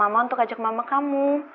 mama untuk ajak mama kamu